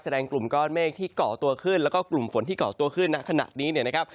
กลุ่มก้อนเมฆที่เกาะตัวขึ้นแล้วก็กลุ่มฝนที่เกาะตัวขึ้นณขณะนี้เนี่ยนะครับ